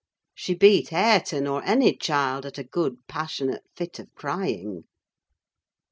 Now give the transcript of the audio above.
She beat Hareton, or any child, at a good passionate fit of crying.